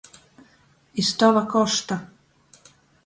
Iz tova košta.